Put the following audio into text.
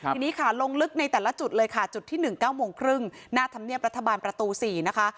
ทีนี้ค่ะลงลึกในแต่ละจุดเลยค่ะจุดที่๑๙๓๐นทำเนียมรัฐบาลประตู๔นะคะ